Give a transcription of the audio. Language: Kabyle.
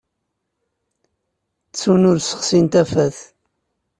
Ttun ur ssexsin tafat.